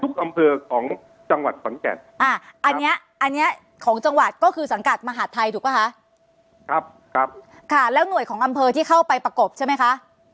ครับแล้วหน่วยของอำเภอที่เข้าไปประกบใช่มั้ยคะ